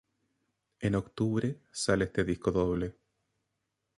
En octubre sale este disco doble.